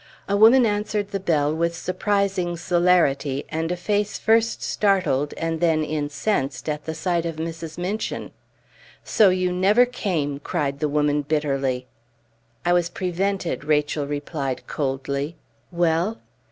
A woman answered the bell with surprising celerity, and a face first startled and then incensed at the sight of Mrs. Minchin. "So you never came!" cried the woman, bitterly. "I was prevented," Rachel replied coldly. "Well?"